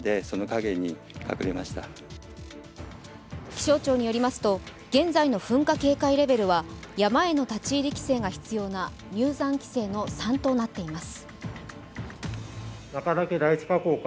気象庁によりますと現在の噴火警戒レベルは山への立ち入り規制が必要な入山規制の３となっています。